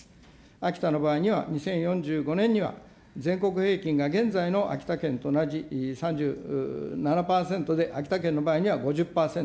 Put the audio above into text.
秋田の場合には、２０４５年には全国平均が現在の秋田県と同じ３７％で、秋田県の場合には５０％。